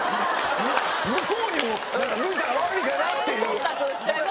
抜こうにも抜いたら悪いかなっていう。